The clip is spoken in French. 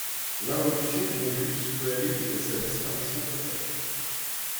L’involution du nævus peut aller jusqu’à sa disparition complète.